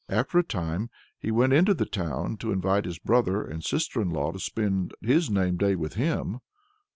After a time he went into the town to invite his brother and sister in law to spend his name day with him.